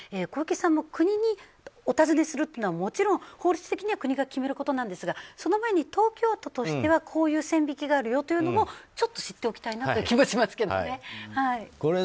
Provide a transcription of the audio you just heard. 小池さんも国にお訊ねするというのはもちろん法律的には国が決めることなんですがその前に東京都としてはこういう線引きがあるよというのをちょっと知っておきたいなという気もしますけどね。